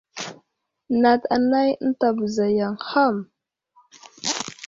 Nat anay ənta bəza yaŋ ham.